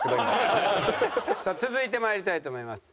さあ続いて参りたいと思います。